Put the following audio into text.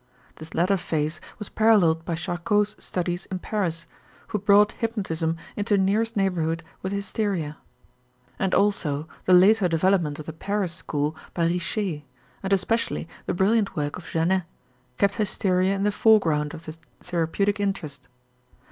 This latter phase was paralleled by Charcot's studies in Paris, who brought hypnotism into nearest neighborhood with hysteria. And also the later development of the Paris school by Richer, and especially the brilliant work of Janet, kept hysteria in the foreground of the therapeutic interest.